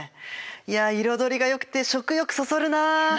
いや彩りがよくて食欲そそるなあ。